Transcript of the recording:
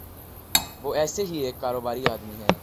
وہ ایسے ہی ایک کاروباری آدمی ہیں۔